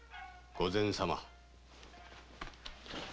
御前様。